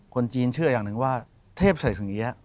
คนจีนเชื่ออย่างหนึ่งว่าเทพศัยสงเอี๊ยะ